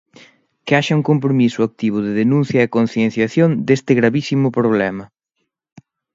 Que haxa un compromiso activo de denuncia e concienciación deste gravísimo problema.